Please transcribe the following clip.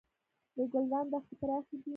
د ګلران دښتې پراخې دي